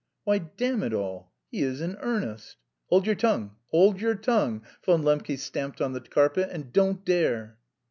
"Why, damn it all, he is in earnest!" "Hold your tongue, hold your tongue" Von Lembke stamped on the carpet "and don't dare..."